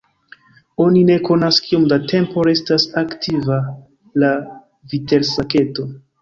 Oni ne konas kiom da tempo restas aktiva la vitelsaketo.